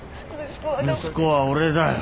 息子は俺だよ。